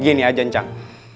gini aja ncang